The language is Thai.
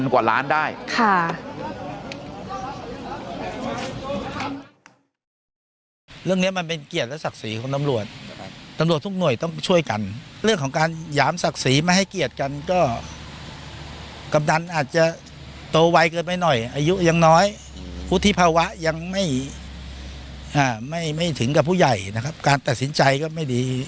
คันกว่าล้านได้